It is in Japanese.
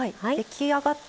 はい。